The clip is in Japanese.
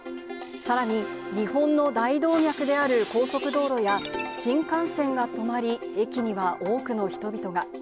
さらに、日本の大動脈である高速道路や新幹線が止まり、駅には多くの人々が。